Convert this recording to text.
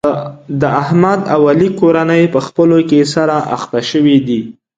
د احمد او علي کورنۍ په خپلو کې سره اخته شوې دي.